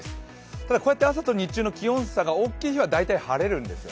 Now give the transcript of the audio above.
ただこうやって朝と日中の気温差が大きい日は大体晴れるんです。